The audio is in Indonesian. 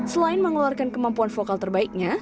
selain mengeluarkan kemampuan vokal terbaiknya